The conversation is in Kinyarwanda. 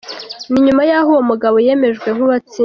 Ni nyuma y’aho uwo mugabo yemejwe nk’uwatsinze.